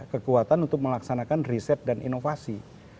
kekuatan untuk melaksanakan riset dan inovasi